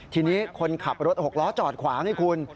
ทีนี้คนขับรถหกล้อจอดขวางให้คุณ